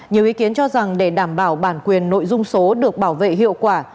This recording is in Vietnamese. nhiều ý kiến cho rằng để đảm bảo bản quyền nội dung số được bảo vệ hiệu quả